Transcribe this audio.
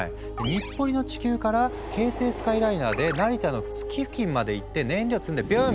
日暮里の地球から京成スカイライナーで成田の月付近まで行って燃料積んでビューン！